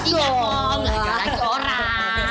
tidak mau ngajak ngajak orang